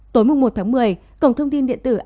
tối một một mươi cổng thông tin điện tử an giang